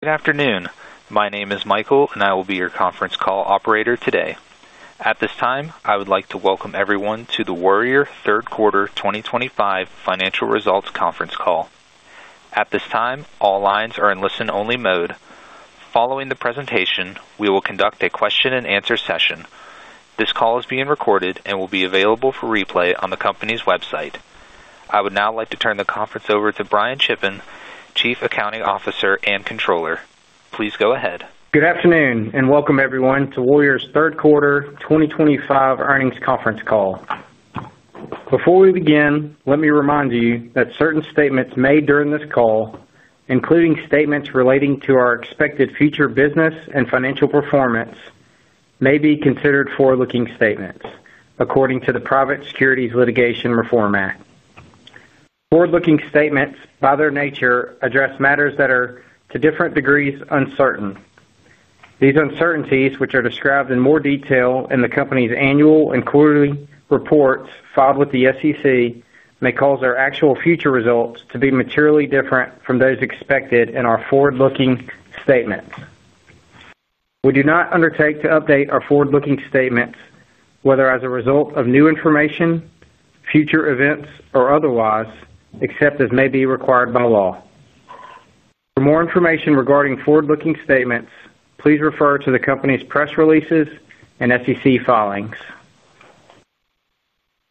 Good afternoon. My name is Michael, and I will be your conference call operator today. At this time, I would like to welcome everyone to the Warrior third quarter 2025 financial results conference call. At this time, all lines are in listen-only mode. Following the presentation, we will conduct a question-and-answer session. This call is being recorded and will be available for replay on the company's website. I would now like to turn the conference over to Brian Chopin, Chief Accounting Officer and Controller. Please go ahead. Good afternoon and welcome everyone to Warrior's third quarter 2025 earnings conference call. Before we begin, let me remind you that certain statements made during this call, including statements relating to our expected future business and financial performance, may be considered forward-looking statements according to the Private Securities Litigation Reform Act. Forward-looking statements, by their nature, address matters that are to different degrees uncertain. These uncertainties, which are described in more detail in the company's annual and quarterly reports filed with the SEC, may cause our actual future results to be materially different from those expected in our forward-looking statements. We do not undertake to update our forward-looking statements, whether as a result of new information, future events, or otherwise, except as may be required by law. For more information regarding forward-looking statements, please refer to the company's press releases and SEC filings.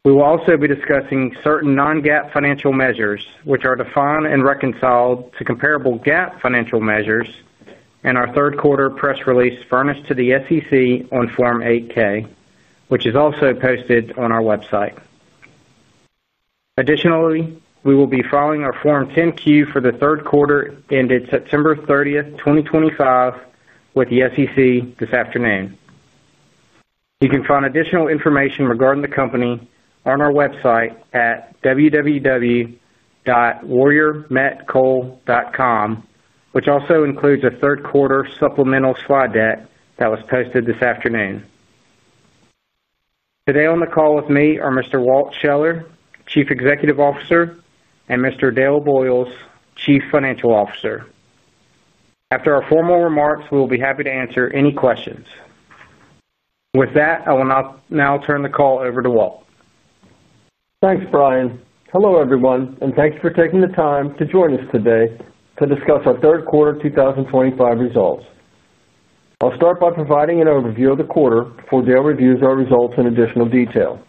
We will also be discussing certain non-GAAP financial measures, which are defined and reconciled to comparable GAAP financial measures, and our third-quarter press release furnished to the SEC on Form 8-K, which is also posted on our website. Additionally, we will be filing our Form 10-Q for the third quarter ended September 30th, 2025, with the SEC this afternoon. You can find additional information regarding the company on our website at www.warriormetcoal.com, which also includes a third-quarter supplemental slide deck that was posted this afternoon. Today on the call with me are Mr. Walt Scheller, Chief Executive Officer, and Mr. Dale Boyles, Chief Financial Officer. After our formal remarks, we will be happy to answer any questions. With that, I will now turn the call over to Walt. Thanks, Brian. Hello everyone, and thanks for taking the time to join us today to discuss our third quarter 2025 results. I'll start by providing an overview of the quarter before Dale reviews our results in additional detail.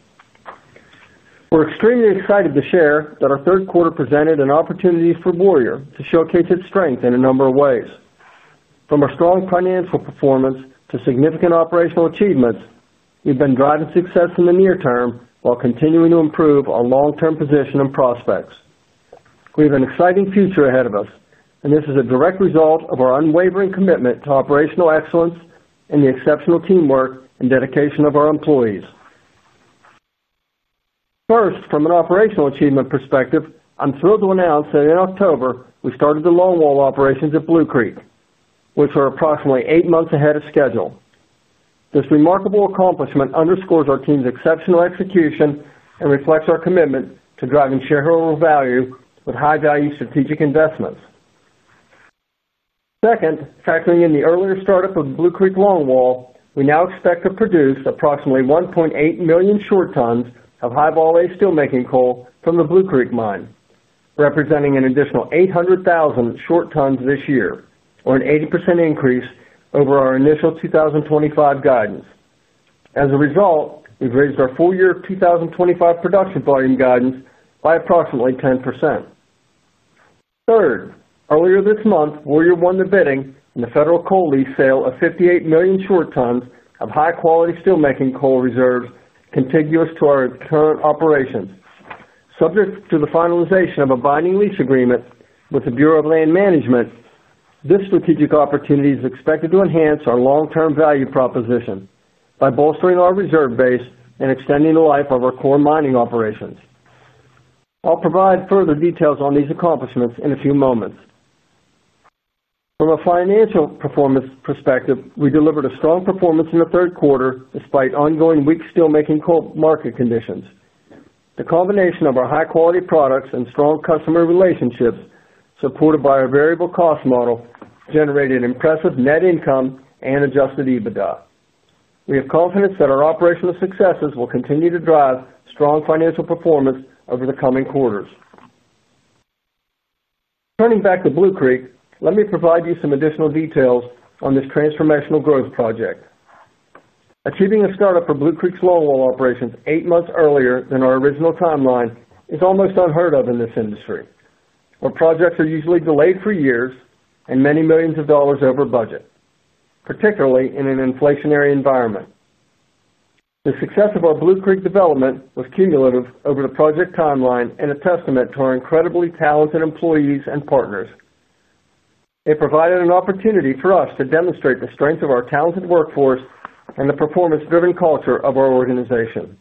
We're extremely excited to share that our third quarter presented an opportunity for Warrior to showcase its strength in a number of ways. From our strong financial performance to significant operational achievements, we've been driving success in the near term while continuing to improve our long-term position and prospects. We have an exciting future ahead of us, and this is a direct result of our unwavering commitment to operational excellence and the exceptional teamwork and dedication of our employees. First, from an operational achievement perspective, I'm thrilled to announce that in October we started the longwall operations at Blue Creek, which were approximately eight months ahead of schedule. This remarkable accomplishment underscores our team's exceptional execution and reflects our commitment to driving shareholder value with high-value strategic investments. Second, factoring in the earlier startup of the Blue Creek longwall, we now expect to produce approximately 1.8 million short tons of high-vol steelmaking coal from the Blue Creek mine, representing an additional 800,000 short tons this year, or an 80% increase over our initial 2025 guidance. As a result, we've raised our full year 2025 production volume guidance by approximately 10%. Third, earlier this month, Warrior won the bidding in the federal coal lease sale of 58 million short tons of high-quality steelmaking coal reserves contiguous to our current operations, subject to the finalization of a binding lease agreement with the Bureau of Land Management. This strategic opportunity is expected to enhance our long-term value proposition by bolstering our reserve base and extending the life of our core mining operations. I'll provide further details on these accomplishments in a few moments. From a financial performance perspective, we delivered a strong performance in the third quarter despite ongoing weak steelmaking coal market conditions. The combination of our high-quality products and strong customer relationships, supported by our variable cost model, generated impressive net income and Adjusted EBITDA. We have confidence that our operational successes will continue to drive strong financial performance over the coming quarters. Turning back to Blue Creek, let me provide you some additional details on this transformational growth project. Achieving a startup for Blue Creek's longwall operations eight months earlier than our original timeline is almost unheard of in this industry, where projects are usually delayed for years and many millions of dollars over budget, particularly in an inflationary environment. The success of our Blue Creek development was cumulative over the project timeline and a testament to our incredibly talented employees and partners. It provided an opportunity for us to demonstrate the strength of our talented workforce and the performance-driven culture of our organization.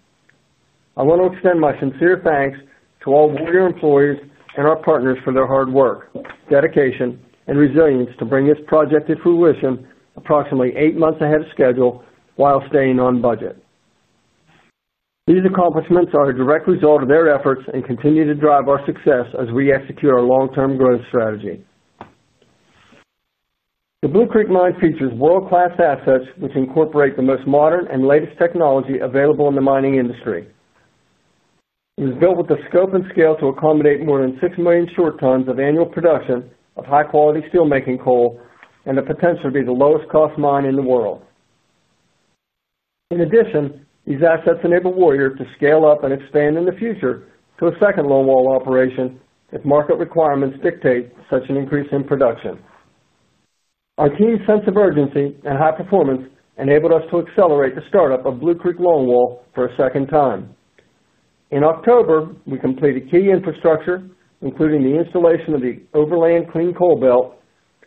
I want to extend my sincere thanks to all Warrior employees and our partners for their hard work, dedication, and resilience to bring this project to fruition approximately eight months ahead of schedule while staying on budget. These accomplishments are a direct result of their efforts and continue to drive our success as we execute our long-term growth strategy. The Blue Creek mine features world-class assets, which incorporate the most modern and latest technology available in the mining industry. It was built with the scope and scale to accommodate more than 6 million short tons of annual production of high-quality steelmaking coal and the potential to be the lowest-cost mine in the world. In addition, these assets enable Warrior to scale up and expand in the future to a second longwall operation if market requirements dictate such an increase in production. Our team's sense of urgency and high performance enabled us to accelerate the startup of Blue Creek longwall for a second time. In October, we completed key infrastructure, including the installation of the overland and clean coal belt,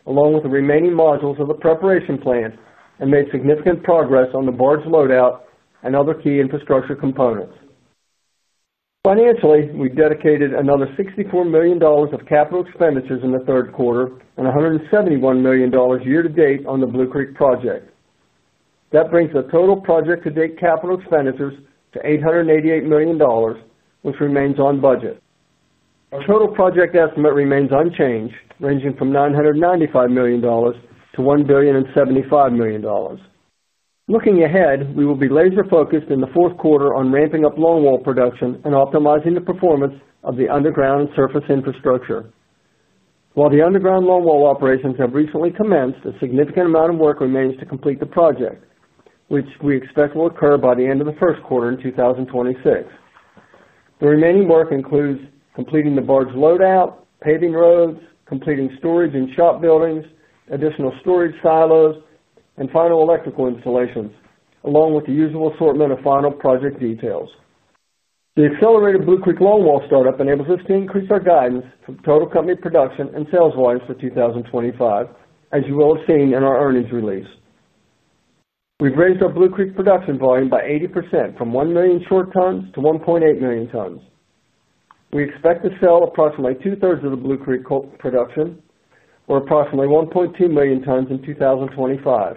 along with the remaining modules of the preparation plant, and made significant progress on the barge loadout and other key infrastructure components. Financially, we dedicated another $64 million of capital expenditures in the third quarter and $171 million year-to-date on the Blue Creek project. That brings the total project-to-date capital expenditures to $888 million, which remains on budget. Our total project estimate remains unchanged, ranging from $995 million-$1 billion and $75 million. Looking ahead, we will be laser-focused in the fourth quarter on ramping up longwall production and optimizing the performance of the underground and surface infrastructure. While the underground longwall operations have recently commenced, a significant amount of work remains to complete the project, which we expect will occur by the end of the first quarter in 2026. The remaining work includes completing the barge loadout, paving roads, completing storage and shop buildings, additional storage silos, and final electrical installations, along with the usual assortment of final project details. The accelerated Blue Creek longwall startup enables us to increase our guidance for total company production and sales volumes for 2025, as you will have seen in our earnings release. We have raised our Blue Creek production volume by 80% from 1 million short tons to 1.8 million tons. We expect to sell approximately 2/3 of the Blue Creek production, or approximately 1.2 million tons in 2025.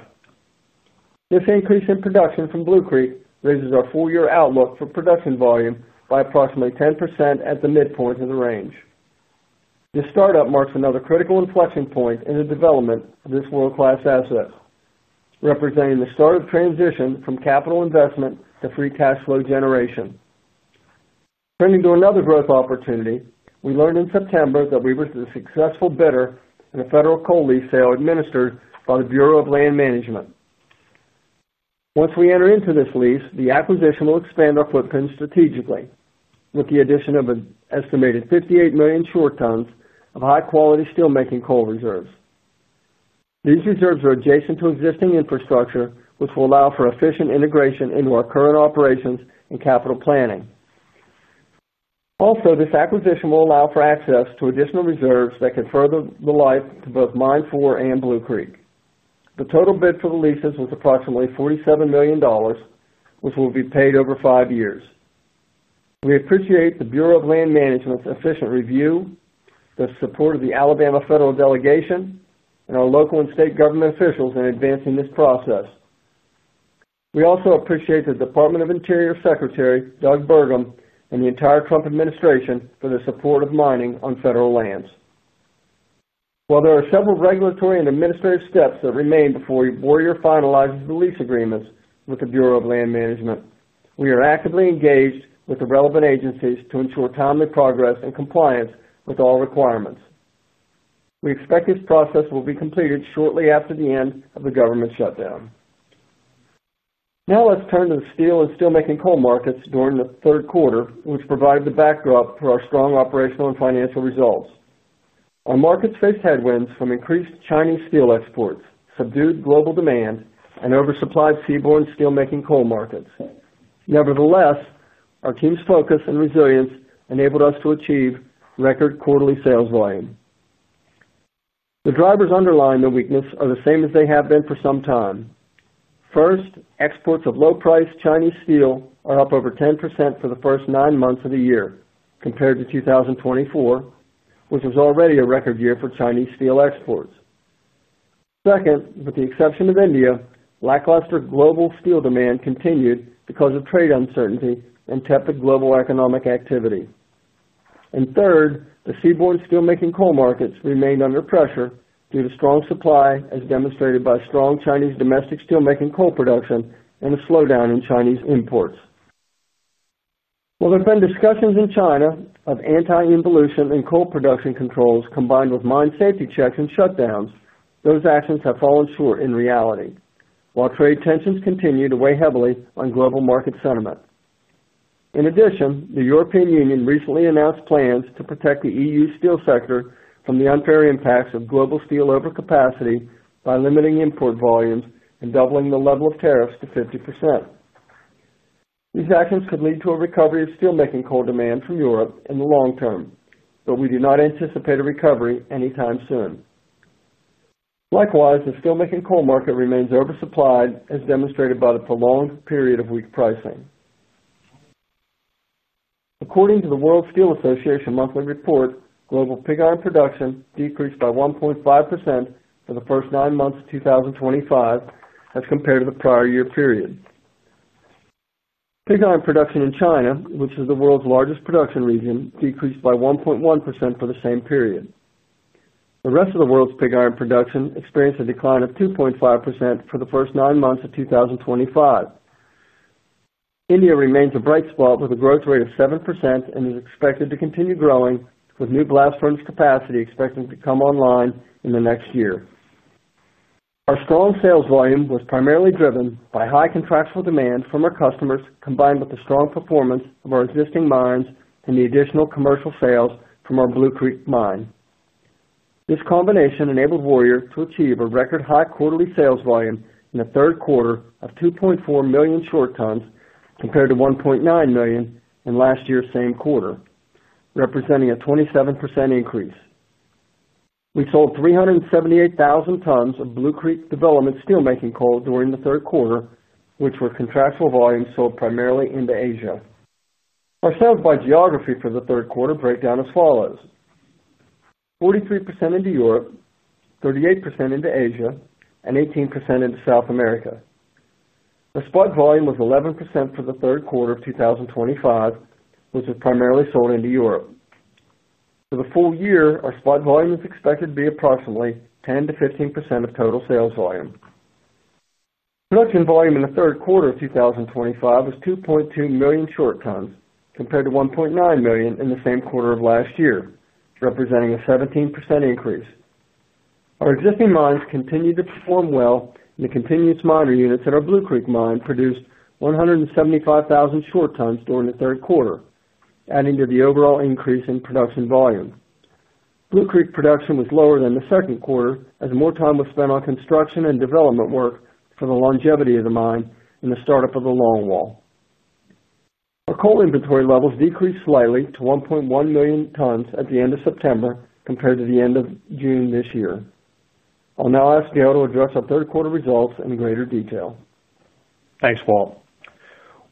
This increase in production from Blue Creek raises our full-year outlook for production volume by approximately 10% at the midpoint of the range. This startup marks another critical inflection point in the development of this world-class asset, representing the start of transition from capital investment to free cash flow generation. Turning to another growth opportunity, we learned in September that we were the successful bidder in a federal coal lease sale administered by the Bureau of Land Management. Once we enter into this lease, the acquisition will expand our footprint strategically, with the addition of an estimated 58 million short tons of high-quality steelmaking coal reserves. These reserves are adjacent to existing infrastructure, which will allow for efficient integration into our current operations and capital planning. Also, this acquisition will allow for access to additional reserves that could further the life to both Mine 4 and Blue Creek. The total bid for the leases was approximately $47 million, which will be paid over five years. We appreciate the Bureau of Land Management's efficient review, the support of the Alabama federal delegation, and our local and state government officials in advancing this process. We also appreciate the Department of the Interior Secretary, Doug Burgum, and the entire Trump administration for the support of mining on federal lands. While there are several regulatory and administrative steps that remain before Warrior finalizes the lease agreements with the Bureau of Land Management, we are actively engaged with the relevant agencies to ensure timely progress and compliance with all requirements. We expect this process will be completed shortly after the end of the government shutdown. Now let's turn to the steel and steelmaking coal markets during the third quarter, which provided the backdrop for our strong operational and financial results. Our markets faced headwinds from increased Chinese steel exports, subdued global demand, and oversupplied seaborne steelmaking coal markets. Nevertheless, our team's focus and resilience enabled us to achieve record quarterly sales volume. The drivers underlying the weakness are the same as they have been for some time. First, exports of low-priced Chinese steel are up over 10% for the first nine months of the year compared to 2024, which was already a record year for Chinese steel exports. Second, with the exception of India, lackluster global steel demand continued because of trade uncertainty and tepid global economic activity. Third, the seaborne steelmaking coal markets remained under pressure due to strong supply, as demonstrated by strong Chinese domestic steelmaking coal production and a slowdown in Chinese imports. While there have been discussions in China of anti-involution and coal production controls combined with mine safety checks and shutdowns, those actions have fallen short in reality, while trade tensions continue to weigh heavily on global market sentiment. In addition, the European Union recently announced plans to protect the EU steel sector from the unfair impacts of global steel overcapacity by limiting import volumes and doubling the level of tariffs to 50%. These actions could lead to a recovery of steelmaking coal demand from Europe in the long term, but we do not anticipate a recovery anytime soon. Likewise, the steelmaking coal market remains oversupplied, as demonstrated by the prolonged period of weak pricing. According to the World Steel Association monthly report, global pig iron production decreased by 1.5% for the first nine months of 2025 as compared to the prior year period. Pig iron production in China, which is the world's largest production region, decreased by 1.1% for the same period. The rest of the world's pig iron production experienced a decline of 2.5% for the first nine months of 2025. India remains a bright spot with a growth rate of 7% and is expected to continue growing, with new blast furnace capacity expected to come online in the next year. Our strong sales volume was primarily driven by high contractual demand from our customers, combined with the strong performance of our existing mines and the additional commercial sales from our Blue Creek mine. This combination enabled Warrior to achieve a record high quarterly sales volume in the third quarter of 2.4 million short tons compared to 1.9 million in last year's same quarter, representing a 27% increase. We sold 378,000 tons of Blue Creek development steelmaking coal during the third quarter, which were contractual volumes sold primarily into Asia. Our sales by geography for the third quarter breakdown is as follows. 43% into Europe, 38% into Asia, and 18% into South America. The spot volume was 11% for the third quarter of 2025, which was primarily sold into Europe. For the full year, our spot volume is expected to be approximately 10%-15% of total sales volume. Production volume in the third quarter of 2025 was 2.2 million short tons compared to 1.9 million in the same quarter of last year, representing a 17% increase. Our existing mines continued to perform well, and the continuous miner units at our Blue Creek mine produced 175,000 short tons during the third quarter, adding to the overall increase in production volume. Blue Creek production was lower than the second quarter, as more time was spent on construction and development work for the longevity of the mine and the startup of the longwall. Our coal inventory levels decreased slightly to 1.1 million tons at the end of September compared to the end of June this year. I'll now ask Dale to address our third quarter results in greater detail. Thanks, Walt.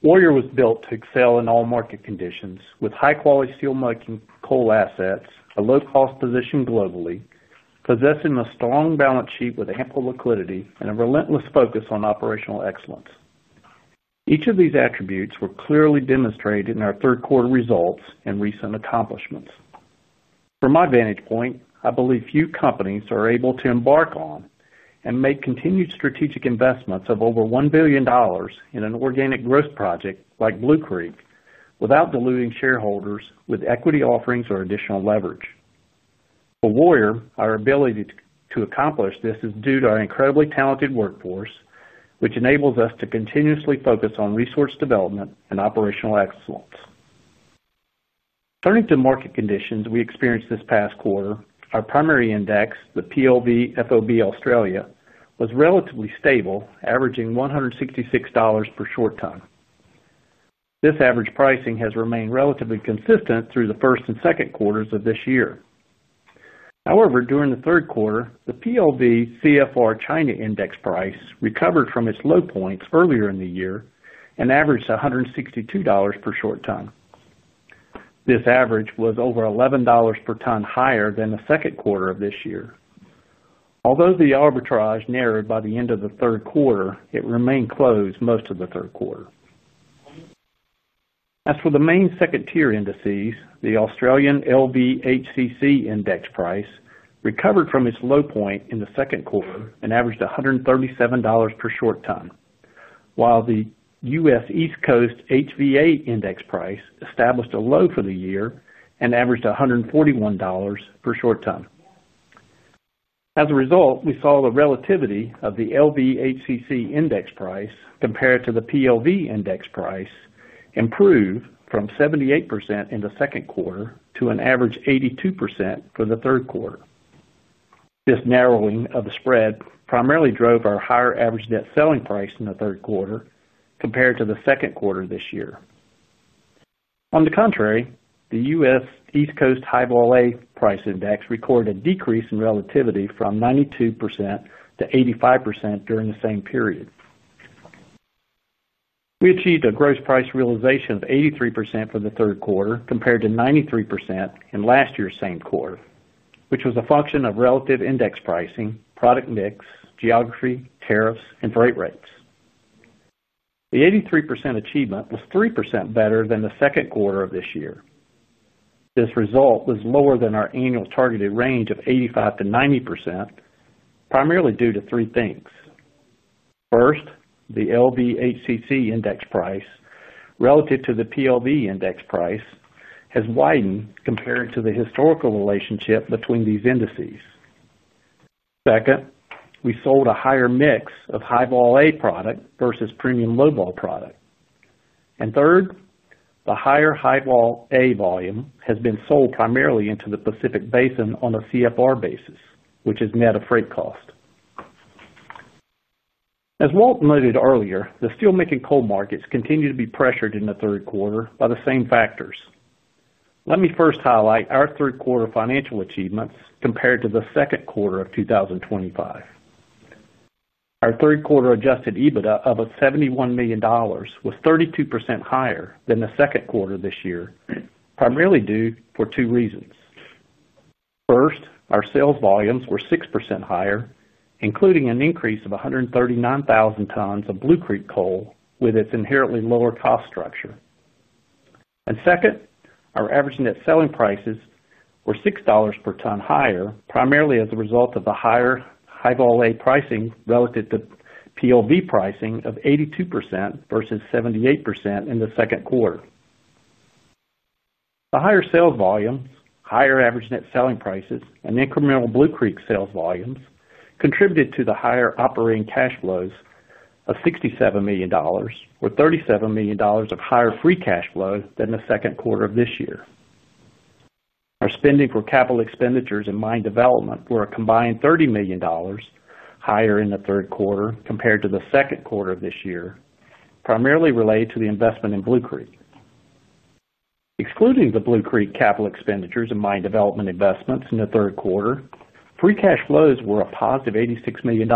Warrior was built to excel in all market conditions with high-quality steelmaking coal assets, a low-cost position globally, possessing a strong balance sheet with ample liquidity, and a relentless focus on operational excellence. Each of these attributes were clearly demonstrated in our third quarter results and recent accomplishments. From my vantage point, I believe few companies are able to embark on and make continued strategic investments of over $1 billion in an organic growth project like Blue Creek without diluting shareholders with equity offerings or additional leverage. For Warrior, our ability to accomplish this is due to our incredibly talented workforce, which enables us to continuously focus on resource development and operational excellence. Turning to market conditions we experienced this past quarter, our primary index, the PLV FOB Australia, was relatively stable, averaging $166 per short ton. This average pricing has remained relatively consistent through the first and second quarters of this year. However, during the third quarter, the PLV CFR China index price recovered from its low points earlier in the year and averaged $162 per short ton. This average was over $11 per ton higher than the second quarter of this year. Although the arbitrage narrowed by the end of the third quarter, it remained closed most of the third quarter. As for the main second-tier indices, the Australian LVHCC index price recovered from its low point in the second quarter and averaged $137 per short ton, while the U.S. East Coast HVA index price established a low for the year and averaged $141 per short ton. As a result, we saw the relativity of the LVHCC index price compared to the PLV index price improve from 78% in the second quarter to an average 82% for the third quarter. This narrowing of the spread primarily drove our higher average debt selling price in the third quarter compared to the second quarter this year. On the contrary, the U.S. East Coast High Vol A price index recorded a decrease in relativity from 92%-85% during the same period. We achieved a gross price realization of 83% for the third quarter compared to 93% in last year's same quarter, which was a function of relative index pricing, product mix, geography, tariffs, and freight rates. The 83% achievement was 3% better than the second quarter of this year. This result was lower than our annual targeted range of 85%-90%, primarily due to three things. First, the LVHCC index price relative to the PLV index price has widened compared to the historical relationship between these indices. Second, we sold a higher mix of High Vol A product versus Premium Low Vol product. Third, the higher High Vol A volume has been sold primarily into the Pacific Basin on a CFR basis, which has met a freight cost. As Walt noted earlier, the steelmaking coal markets continue to be pressured in the third quarter by the same factors. Let me first highlight our third quarter financial achievements compared to the second quarter of 2025. Our third quarter Adjusted EBITDA of $71 million was 32% higher than the second quarter this year, primarily due for two reasons. First, our sales volumes were 6% higher, including an increase of 139,000 tons of Blue Creek coal with its inherently lower cost structure. Second, our average net selling prices were $6 per ton higher, primarily as a result of the higher High Vol A pricing relative to PLV pricing of 82% versus 78% in the second quarter. The higher sales volumes, higher average net selling prices, and incremental Blue Creek sales volumes contributed to the higher operating cash flows of $67 million, with $37 million of higher free cash flow than the second quarter of this year. Our spending for capital expenditures and mine development were a combined $30 million higher in the third quarter compared to the second quarter of this year, primarily related to the investment in Blue Creek. Excluding the Blue Creek capital expenditures and mine development investments in the third quarter, free cash flows were a +$86 million.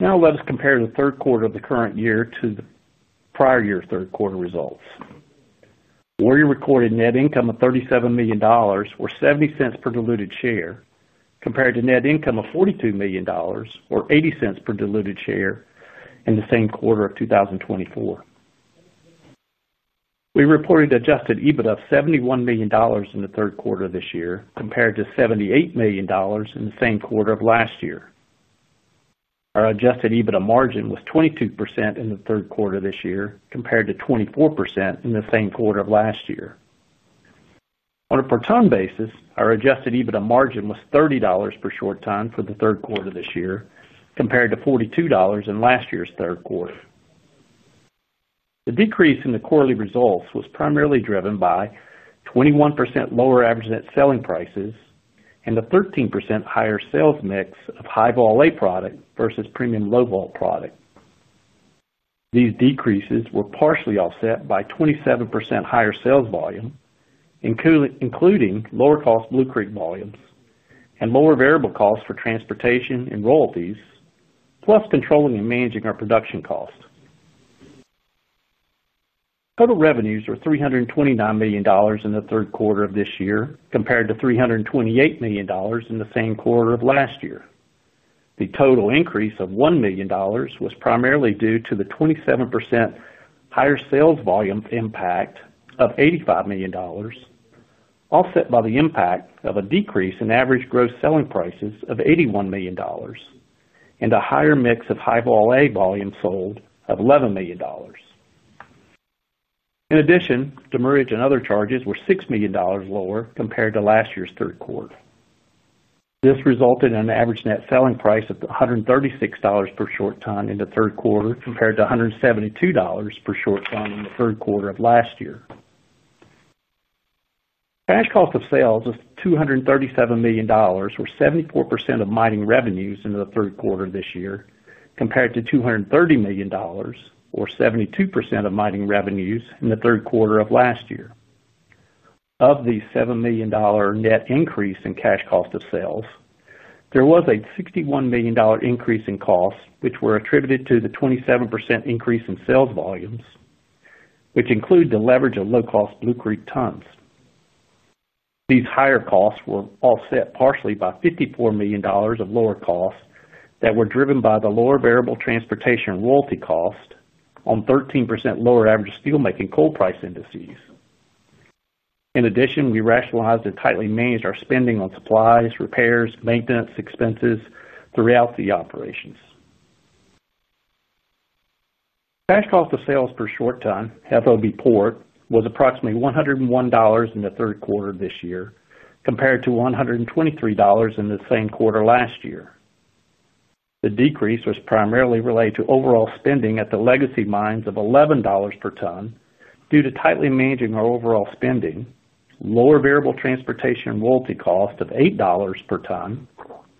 Now let us compare the third quarter of the current year to the prior year's third quarter results. Warrior recorded net income of $37 million or $0.70 per diluted share compared to net income of $42 million or $0.80 per diluted share in the same quarter of 2024. We reported Adjusted EBITDA of $71 million in the third quarter of this year compared to $78 million in the same quarter of last year. Our Adjusted EBITDA margin was 22% in the third quarter of this year compared to 24% in the same quarter of last year. On a per ton basis, our Adjusted EBITDA margin was $30 per short ton for the third quarter of this year compared to $42 in last year's third quarter. The decrease in the quarterly results was primarily driven by 21% lower average net selling prices and a 13% higher sales mix of High Vol A product versus Premium Low Vol product. These decreases were partially offset by 27% higher sales volume, including lower cost Blue Creek volumes and lower variable costs for transportation and royalties, plus controlling and managing our production costs. Total revenues were $329 million in the third quarter of this year compared to $328 million in the same quarter of last year. The total increase of $1 million was primarily due to the 27% higher sales volume impact of $85 million offset by the impact of a decrease in average gross selling prices of $81 million. A higher mix of High Vol A volume sold of $11 million. In addition, demurrage and other charges were $6 million lower compared to last year's third quarter. This resulted in an average net selling price of $136 per short ton in the third quarter compared to $172 per short ton in the third quarter of last year. Cash cost of sales of $237 million or 74% of mining revenues in the third quarter of this year compared to $230 million or 72% of mining revenues in the third quarter of last year. Off the $7 million net increase in cash cost of sales, there was a $61 million increase in costs, which were attributed to the 27% increase in sales volumes, which include the leverage of low-cost Blue Creek tons. These higher costs were offset partially by $54 million of lower costs that were driven by the lower variable transportation royalty cost on 13% lower average steelmaking coal price indices. In addition, we rationalized and tightly managed our spending on supplies, repairs, maintenance expenses throughout the operations. Cash cost of sales per short ton, FOB Port, was approximately $101 in the third quarter of this year compared to $123 in the same quarter last year. The decrease was primarily related to overall spending at the legacy mines of $11 per ton due to tightly managing our overall spending, lower variable transportation royalty cost of $8 per ton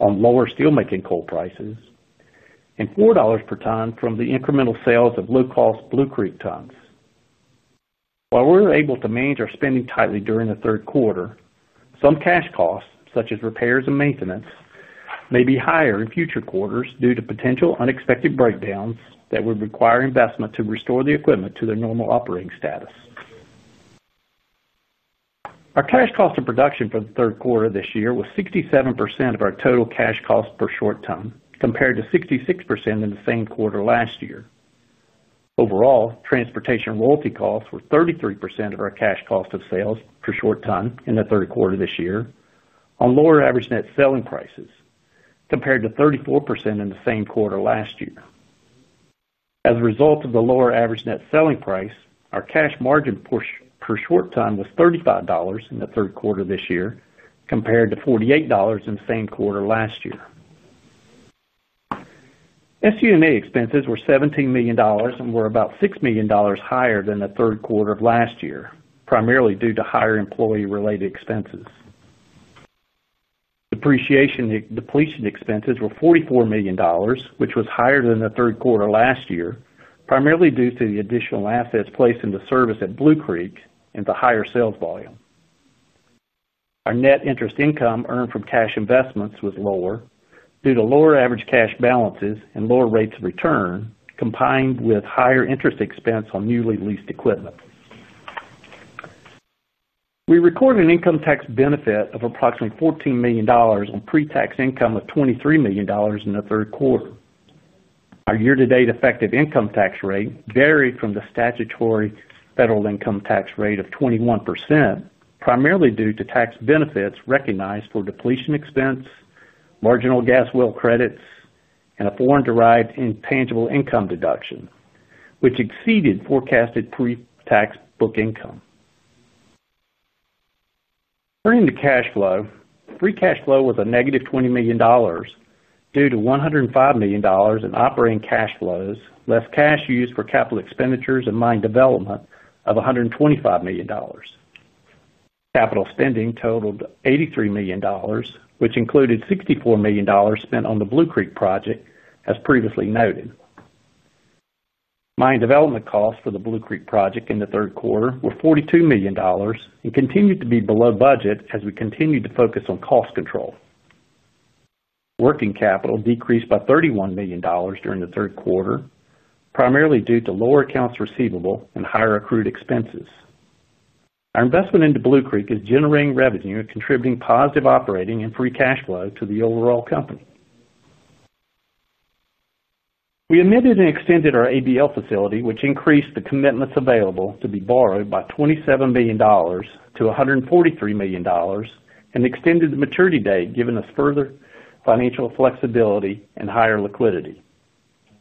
on lower steelmaking coal prices, and $4 per ton from the incremental sales of low-cost Blue Creek tons. While we were able to manage our spending tightly during the third quarter, some cash costs, such as repairs and maintenance, may be higher in future quarters due to potential unexpected breakdowns that would require investment to restore the equipment to their normal operating status. Our cash cost of production for the third quarter of this year was 67% of our total cash cost per short ton compared to 66% in the same quarter last year. Overall, transportation royalty costs were 33% of our cash cost of sales per short ton in the third quarter of this year on lower average net selling prices compared to 34% in the same quarter last year. As a result of the lower average net selling price, our cash margin per short ton was $35 in the third quarter of this year compared to $48 in the same quarter last year. SUMA expenses were $17 million and were about $6 million higher than the third quarter of last year, primarily due to higher employee-related expenses. Depreciation expenses were $44 million, which was higher than the third quarter last year, primarily due to the additional assets placed into service at Blue Creek and the higher sales volume. Our net interest income earned from cash investments was lower due to lower average cash balances and lower rates of return combined with higher interest expense on newly leased equipment. We recorded an income tax benefit of approximately $14 million on pre-tax income of $23 million in the third quarter. Our year-to-date effective income tax rate varied from the statutory federal income tax rate of 21%, primarily due to tax benefits recognized for depletion expense, marginal gas well credits, and a foreign-derived intangible income deduction, which exceeded forecasted pre-tax book income. Turning to cash flow, free cash flow was a -$20 million due to $105 million in operating cash flows, less cash used for capital expenditures and mine development of $125 million. Capital spending totaled $83 million, which included $64 million spent on the Blue Creek project, as previously noted. Mine development costs for the Blue Creek project in the third quarter were $42 million and continued to be below budget as we continued to focus on cost control. Working capital decreased by $31 million during the third quarter, primarily due to lower accounts receivable and higher accrued expenses. Our investment into Blue Creek is generating revenue and contributing positive operating and free cash flow to the overall company. We amended and extended our ABL facility, which increased the commitments available to be borrowed by $27 million-143 million, and extended the maturity date, giving us further financial flexibility and higher liquidity.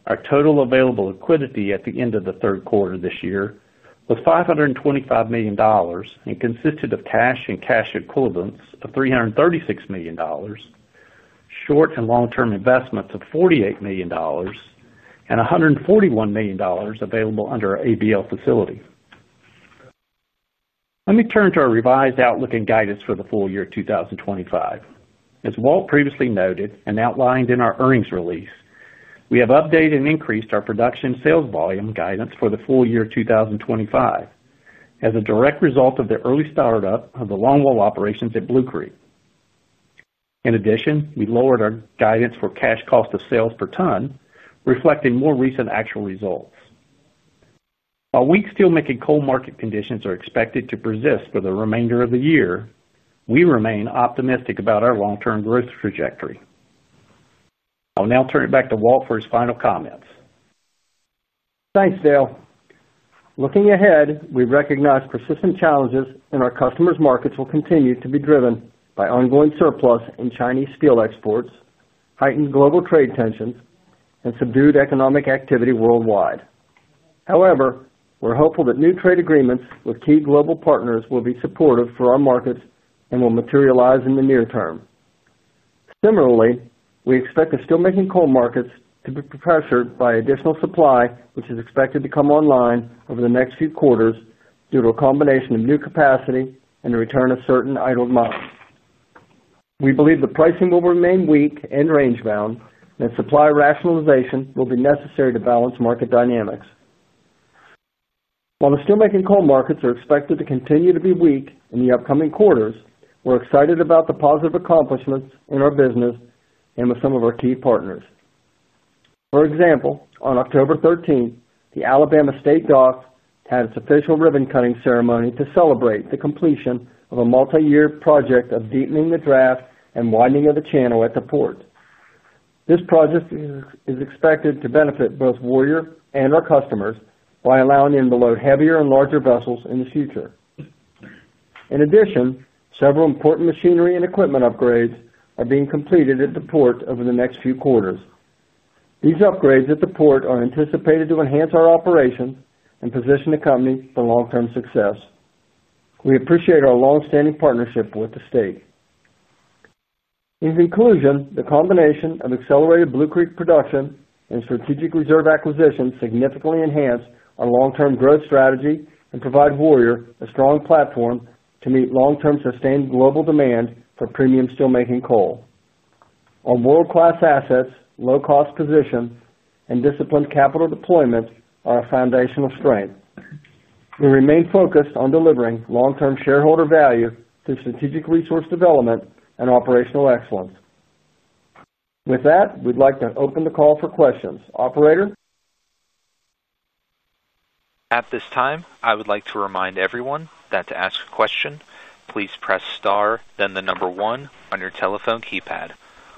Our total available liquidity at the end of the third quarter of this year was $525 million and consisted of cash and cash equivalents of $336 million, short and long-term investments of $48 million, and $141 million available under our ABL facility. Let me turn to our revised outlook and guidance for the full year 2025. As Walt previously noted and outlined in our earnings release, we have updated and increased our production sales volume guidance for the full year 2025 as a direct result of the early startup of the longwall operations at Blue Creek. In addition, we lowered our guidance for cash cost of sales per ton, reflecting more recent actual results. While weak steelmaking coal market conditions are expected to persist for the remainder of the year, we remain optimistic about our long-term growth trajectory. I'll now turn it back to Walt for his final comments. Thanks, Dale. Looking ahead, we recognize persistent challenges in our customers' markets will continue to be driven by ongoing surplus in Chinese steel exports, heightened global trade tensions, and subdued economic activity worldwide. However, we're hopeful that new trade agreements with key global partners will be supportive for our markets and will materialize in the near term. Similarly, we expect the steelmaking coal markets to be pressured by additional supply, which is expected to come online over the next few quarters due to a combination of new capacity and the return of certain idle models. We believe the pricing will remain weak and range-bound, and supply rationalization will be necessary to balance market dynamics. While the steelmaking coal markets are expected to continue to be weak in the upcoming quarters, we're excited about the positive accomplishments in our business and with some of our key partners. For example, on October 13th, the Alabama State Dock had its official ribbon-cutting ceremony to celebrate the completion of a multi-year project of deepening the draft and widening of the channel at the port. This project is expected to benefit both Warrior and our customers by allowing them to load heavier and larger vessels in the future. In addition, several important machinery and equipment upgrades are being completed at the port over the next few quarters. These upgrades at the port are anticipated to enhance our operations and position the company for long-term success. We appreciate our long-standing partnership with the state. In conclusion, the combination of accelerated Blue Creek production and strategic reserve acquisition significantly enhanced our long-term growth strategy and provided Warrior a strong platform to meet long-term sustained global demand for premium steelmaking coal. Our world-class assets, low-cost position, and disciplined capital deployments are our foundational strength. We remain focused on delivering long-term shareholder value through strategic resource development and operational excellence. With that, we'd like to open the call for questions. Operator? At this time, I would like to remind everyone that to ask a question, please press star, then the number one on your telephone keypad.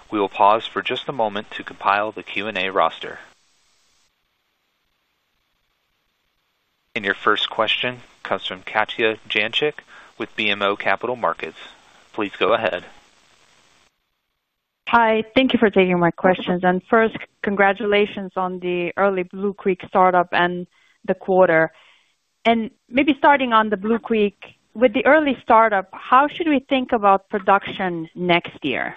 We will pause for just a moment to compile the Q&A roster. Your first question comes from Katja Jancic with BMO Capital Markets. Please go ahead. Hi. Thank you for taking my questions. First, congratulations on the early Blue Creek startup and the quarter. Maybe starting on the Blue Creek, with the early startup, how should we think about production next year?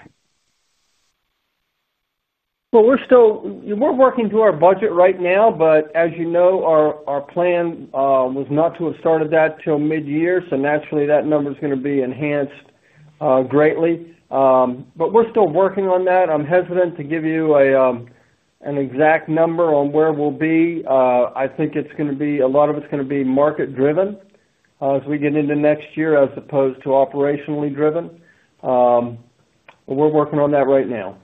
We are working through our budget right now, but as you know, our plan was not to have started that till mid-year. Naturally, that number is going to be enhanced greatly. We are still working on that. I am hesitant to give you an exact number on where we will be. I think a lot of it is going to be market-driven as we get into next year as opposed to operationally-driven. We are working on that right now.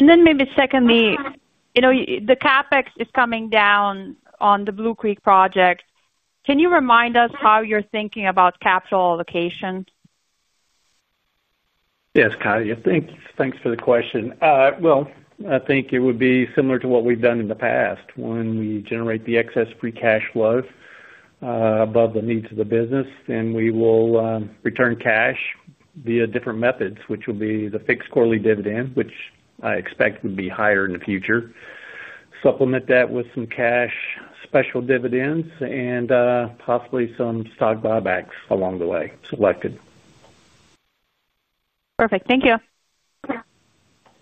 Secondly, the CapEx is coming down on the Blue Creek project. Can you remind us how you are thinking about capital allocation? Yes, Katya. Thanks for the question. I think it would be similar to what we've done in the past when we generate the excess free cash flow above the needs of the business, and we will return cash via different methods, which will be the fixed quarterly dividend, which I expect would be higher in the future. Supplement that with some cash special dividends and possibly some stock buybacks along the way selected. Perfect. Thank you.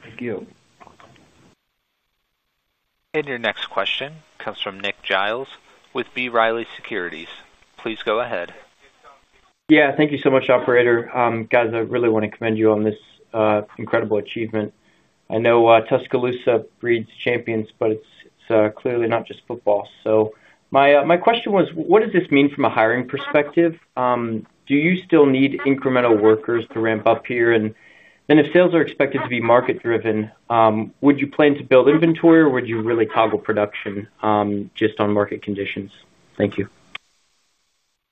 Thank you. Your next question comes from Nick Giles with B. Riley Securities. Please go ahead. Yeah. Thank you so much, Operator. Guys, I really want to commend you on this incredible achievement. I know Tuscaloosa breeds champions, but it's clearly not just football. My question was, what does this mean from a hiring perspective? Do you still need incremental workers to ramp up here? If sales are expected to be market-driven, would you plan to build inventory, or would you really toggle production just on market conditions? Thank you.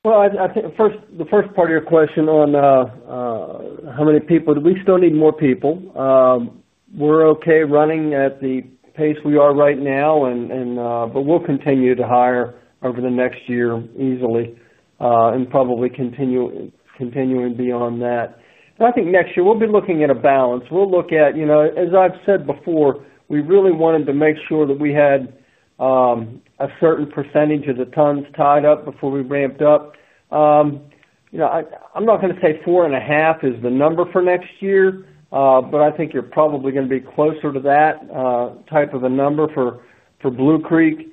The first part of your question on how many people, we still need more people. We're okay running at the pace we are right now, but we'll continue to hire over the next year easily and probably continue beyond that. I think next year we'll be looking at a balance. We'll look at, as I've said before, we really wanted to make sure that we had a certain percentage of the tons tied up before we ramped up. I'm not going to say four and a half is the number for next year, but I think you're probably going to be closer to that type of a number for Blue Creek.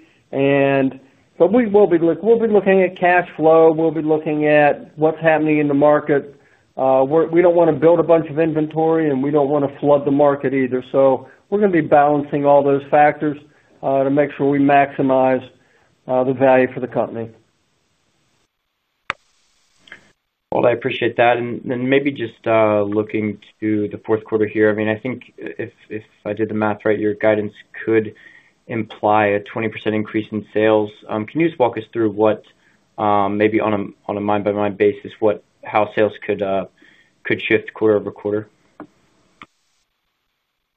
We will be looking at cash flow. We'll be looking at what's happening in the market. We don't want to build a bunch of inventory, and we don't want to flood the market either. We are going to be balancing all those factors to make sure we maximize the value for the company. I appreciate that. Maybe just looking to the fourth quarter here, I mean, I think if I did the math right, your guidance could imply a 20% increase in sales. Can you just walk us through what, maybe on a mine-by-mine basis, how sales could shift quarter-over-quarter?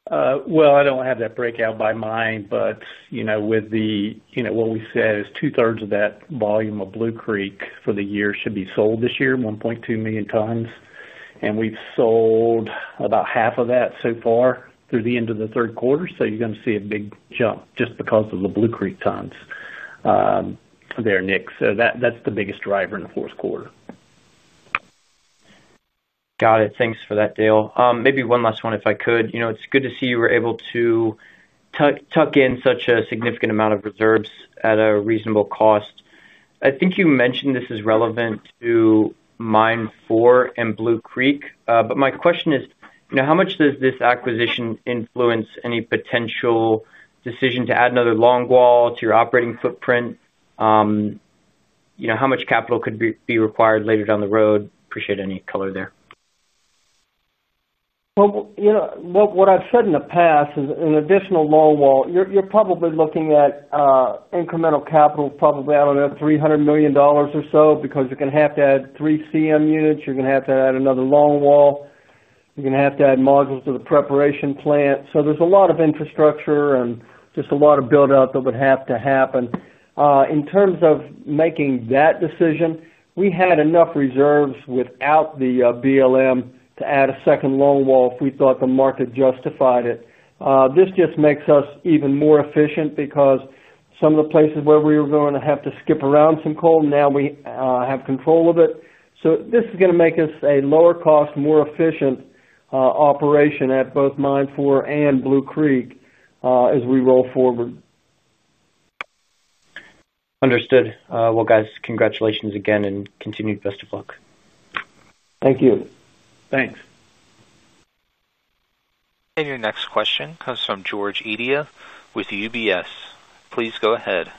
I don't have that breakout by mine, but what we said is two-thirds of that volume of Blue Creek for the year should be sold this year, 1.2 million tons. We've sold about half of that so far through the end of the third quarter. You're going to see a big jump just because of the Blue Creek tons there, Nick. That's the biggest driver in the fourth quarter. Got it. Thanks for that, Dale. Maybe one last one, if I could. It's good to see you were able to tuck in such a significant amount of reserves at a reasonable cost. I think you mentioned this is relevant to Mine 4 and Blue Creek. My question is, how much does this acquisition influence any potential decision to add another longwall to your operating footprint? How much capital could be required later down the road? Appreciate any color there. What I've said in the past is an additional longwall, you're probably looking at incremental capital, probably out of that $300 million or so, because you're going to have to add three CM units. You're going to have to add another longwall. You're going to have to add modules to the preparation plant. There is a lot of infrastructure and just a lot of build-out that would have to happen. In terms of making that decision, we had enough reserves without the BLM to add a second longwall if we thought the market justified it. This just makes us even more efficient because some of the places where we were going to have to skip around some coal, now we have control of it. This is going to make us a lower-cost, more efficient operation at both Mine 4 and Blue Creek as we roll forward. Understood. Guys, congratulations again and continued best of luck. Thank you. Thanks. Your next question comes from George Eadie with UBS. Please go ahead.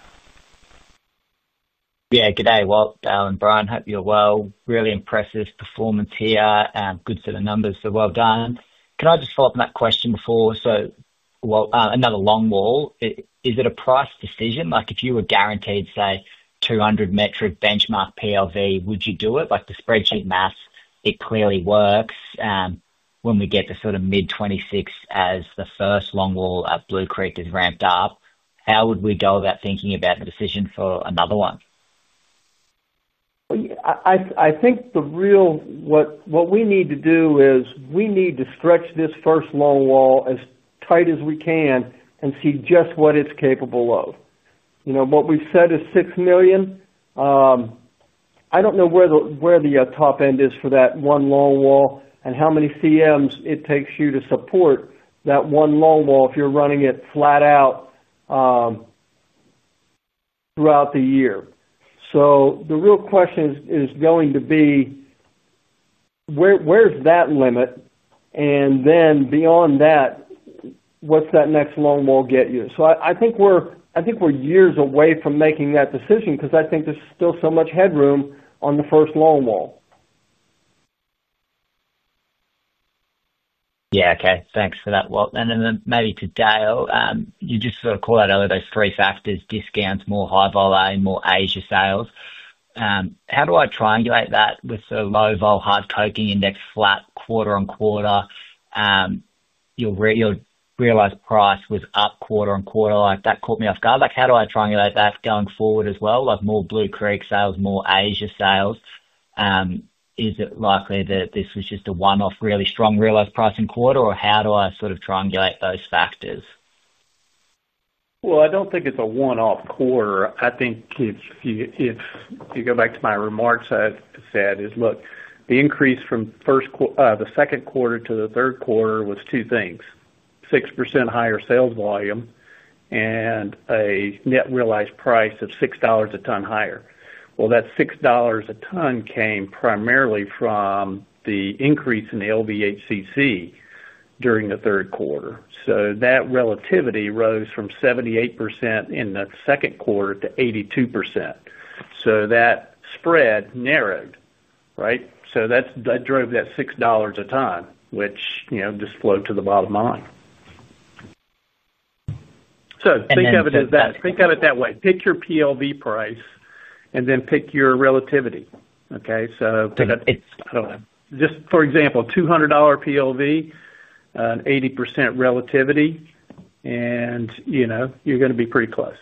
Yeah. G'day, Walt, Dale, and Brian. Hope you're well. Really impressive performance here and good set of numbers. So well done. Can I just follow up on that question before? Another longwall, is it a price decision if you were guaranteed, say, $200 metric benchmark PLV, would you do it? The spreadsheet maths, it clearly works. When we get to sort of mid-2026 as the first longwall at Blue Creek is ramped up, how would we go about thinking about the decision for another one? I think the real, what we need to do is we need to stretch this first longwall as tight as we can and see just what it's capable of. What we've said is 6 million. I don't know where the top end is for that one longwall and how many CMs it takes you to support that one longwall if you're running it flat out throughout the year. The real question is going to be, where's that limit? Beyond that, what's that next longwall get you? I think we're years away from making that decision because I think there's still so much headroom on the first longwall. Yeah. Okay. Thanks for that, Walt. Maybe to Dale, you just sort of call out those three factors: discounts, more high-vol, more Asia sales. How do I triangulate that with the low-vol, high-coking index, flat quarter-on-quarter? Your realized price was up quarter-on-quarter. That caught me off guard. How do I triangulate that going forward as well? More Blue Creek sales, more Asia sales. Is it likely that this was just a one-off really strong realized price in quarter, or how do I sort of triangulate those factors? I don't think it's a one-off quarter. I think if you go back to my remarks, I said, "Look, the increase from the second quarter to the third quarter was two things: 6% higher sales volume and a net realized price of $6 a ton higher." That $6 a ton came primarily from the increase in the LVHCC during the third quarter. That relativity rose from 78% in the second quarter to 82%. That spread narrowed, right? That drove that $6 a ton, which just flowed to the bottom line. Think of it as that. Think of it that way. Pick your PLV price and then pick your relativity. Okay? For example, a $200 PLV. An 80% relativity. You are going to be pretty close.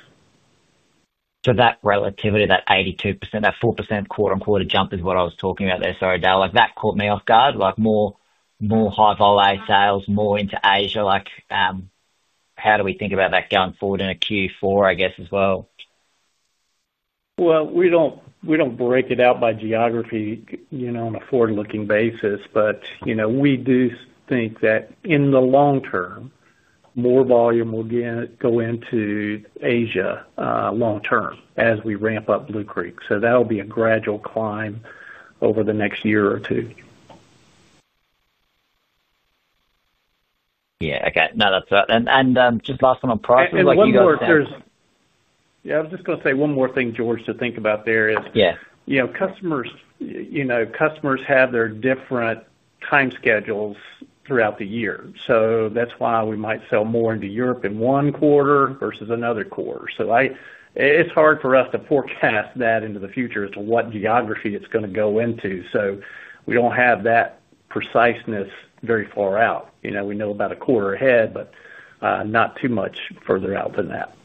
That relativity, that 82%, that 4% quarter-on-quarter jump is what I was talking about there, sorry, Dale. That caught me off guard. More. High-vol sales, more into Asia. How do we think about that going forward in a Q4, I guess, as well? We do not break it out by geography on a forward-looking basis, but we do think that in the long term, more volume will go into Asia long term as we ramp up Blue Creek. That will be a gradual climb over the next year or two. Yeah. Okay. No, that is right. Just last one on price. Yeah. I was just going to say one more thing, George, to think about there is customers have their different time schedules throughout the year. That is why we might sell more into Europe in one quarter versus another quarter. It is hard for us to forecast that into the future as to what geography it is going to go into. We do not have that preciseness very far out. We know about a quarter ahead, but not too much further out than that.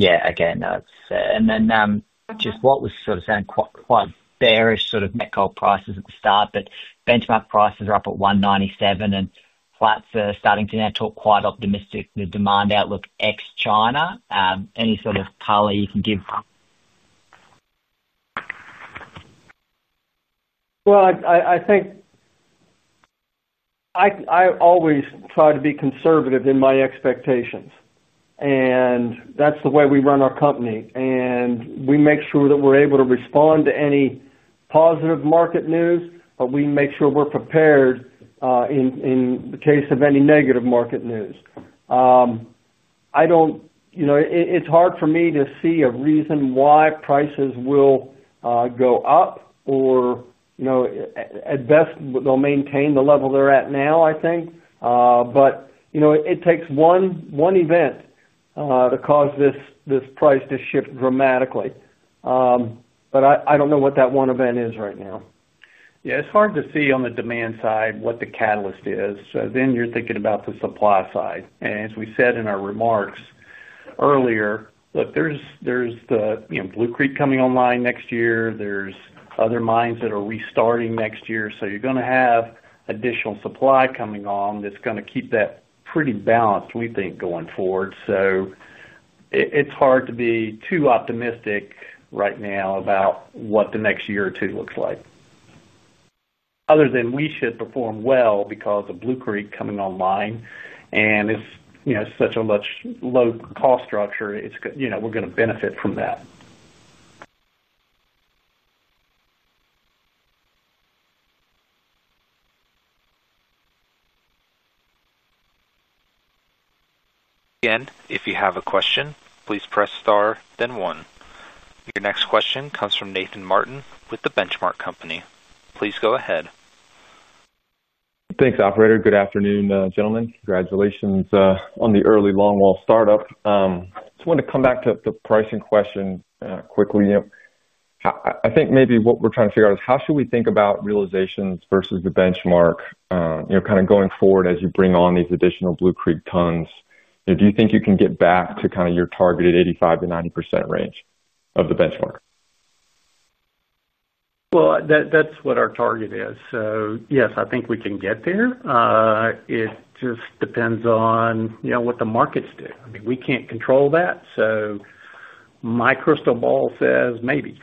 Yeah. Okay. No, that's fair. Just what was sort of saying, quite bearish sort of met coal prices at the start, but benchmark prices are up at $197, and flat's starting to now talk quite optimistic with demand outlook ex-China. Any sort of color you can give? I think I always try to be conservative in my expectations. That's the way we run our company. We make sure that we're able to respond to any positive market news, but we make sure we're prepared in the case of any negative market news. It's hard for me to see a reason why prices will go up or, at best, they'll maintain the level they're at now, I think. It takes one event to cause this price to shift dramatically. I don't know what that one event is right now. Yeah. It's hard to see on the demand side what the catalyst is. Then you're thinking about the supply side. As we said in our remarks earlier, look, there's the Blue Creek coming online next year. There are other mines that are restarting next year. You're going to have additional supply coming on that's going to keep that pretty balanced, we think, going forward. It's hard to be too optimistic right now about what the next year or two looks like, other than we should perform well because of Blue Creek coming online. It's such a much low-cost structure, we're going to benefit from that. Again, if you have a question, please press star, then one. Your next question comes from Nathan Martin with The Benchmark Company. Please go ahead. Thanks, Operator. Good afternoon, gentlemen. Congratulations on the early longwall startup. I just wanted to come back to the pricing question quickly. I think maybe what we're trying to figure out is how should we think about realizations versus the benchmark kind of going forward as you bring on these additional Blue Creek tons? Do you think you can get back to kind of your targeted 85%-90% range of the benchmark? That is what our target is. Yes, I think we can get there. It just depends on what the markets do. I mean, we can't control that. My crystal ball says, maybe.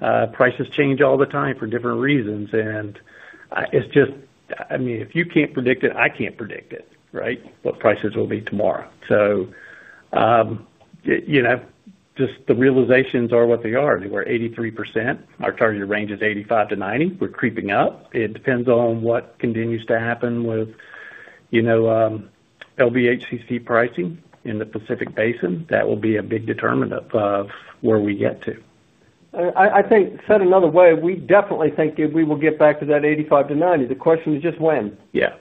Prices change all the time for different reasons. I mean, if you can't predict it, I can't predict it, right, what prices will be tomorrow. The realizations are what they are. We are 83%, our target range is 85%-90%. We're creeping up. It depends on what continues to happen with LVHCC pricing in the Pacific Basin. That will be a big determinant of where we get to. I think, said another way, we definitely think we will get back to that 85%-90%. The question is just when. Yeah.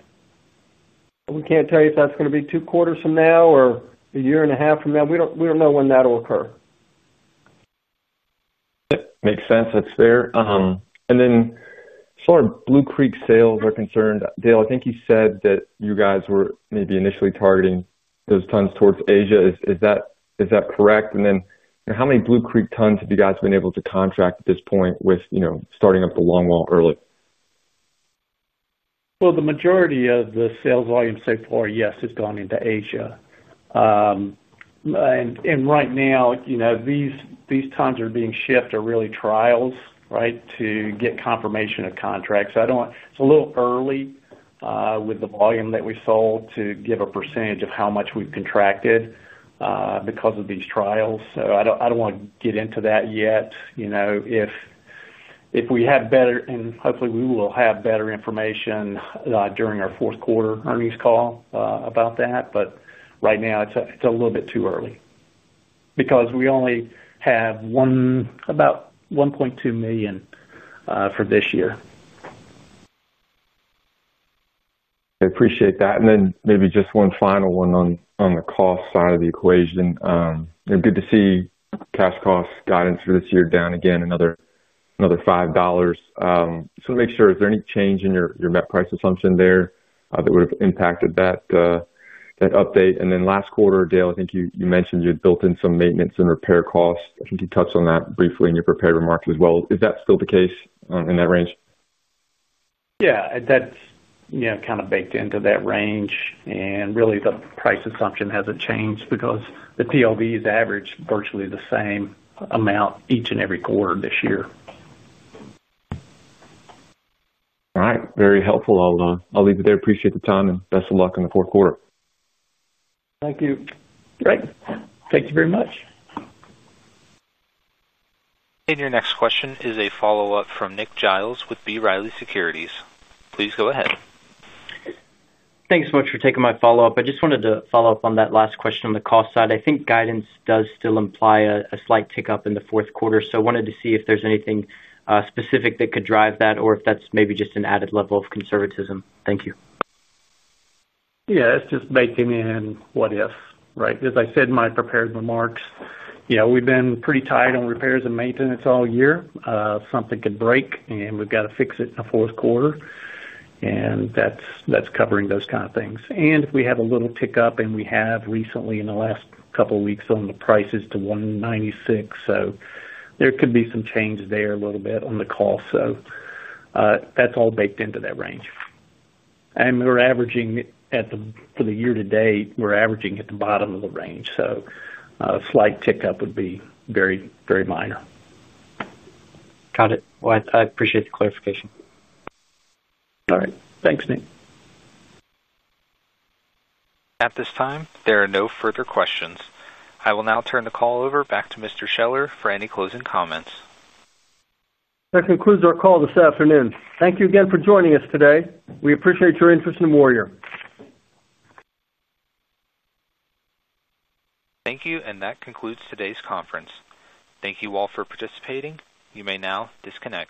We can't tell you if that's going to be two quarters from now or a year and a half from now. We don't know when that'll occur. That makes sense. That's fair. As far as Blue Creek sales are concerned, Dale, I think you said that you guys were maybe initially targeting those tons towards Asia. Is that correct? How many Blue Creek tons have you guys been able to contract at this point with starting up the longwall early? The majority of the sales volume so far, yes, has gone into Asia. Right now, these tons that are being shipped are really trials, right, to get confirmation of contracts. It is a little early with the volume that we sold to give a percentage of how much we have contracted because of these trials. I do not want to get into that yet. If we have better, and hopefully we will have better information during our fourth quarter earnings call about that. Right now, it is a little bit too early because we only have about 1.2 million for this year. I appreciate that. Maybe just one final one on the cost side of the equation. Good to see cash cost guidance for this year down again, another $5. I just want to make sure, is there any change in your net price assumption there that would have impacted that update? Then last quarter, Dale, I think you mentioned you had built in some maintenance and repair costs. I think you touched on that briefly in your prepared remarks as well. Is that still the case in that range? Yeah. That's kind of baked into that range. Really, the price assumption hasn't changed because the PLVs average virtually the same amount each and every quarter this year. All right. Very helpful. I'll leave it there. Appreciate the time. Best of luck in the fourth quarter. Thank you. Great. Thank you very much. Your next question is a follow-up from Nick Giles with B. Riley Securities. Please go ahead. Thanks so much for taking my follow-up. I just wanted to follow up on that last question on the cost side. I think guidance does still imply a slight tick up in the fourth quarter. I wanted to see if there's anything specific that could drive that or if that's maybe just an added level of conservatism. Thank you. Yeah. It's just making it what it is, right? As I said in my prepared remarks, we've been pretty tight on repairs and maintenance all year. Something could break, and we've got to fix it in the fourth quarter. That's covering those kind of things. If we have a little tick up, and we have recently in the last couple of weeks on the prices to $196, there could be some change there a little bit on the cost. That's all baked into that range. We're averaging for the year-to-date, we're averaging at the bottom of the range. A slight tick up would be very minor. Got it. I appreciate the clarification. All right. Thanks, Nick. At this time, there are no further questions. I will now turn the call over back to Mr. Scheller for any closing comments. That concludes our call this afternoon. Thank you again for joining us today. We appreciate your interest in Warrior. Thank you. That concludes today's conference. Thank you all for participating. You may now disconnect.